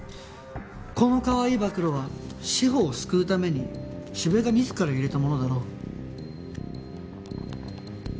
このかわいい暴露は志法を救うために四部が自ら入れたものだろう。